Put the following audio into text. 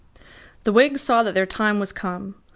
The Whigs saw that their time was come.